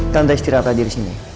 tante istirahat tadi di sini